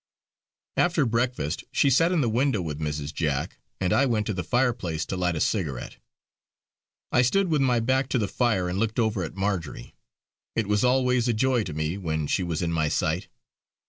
After breakfast she sat in the window with Mrs. Jack, and I went to the fireplace to light a cigarette. I stood with my back to the fire and looked over at Marjory; it was always a joy to me when she was in my sight.